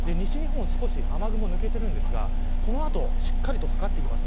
西日本、雨雲抜けていますがこの後もしっかりとかかってきます。